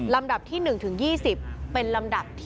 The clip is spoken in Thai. การสอบส่วนแล้วนะ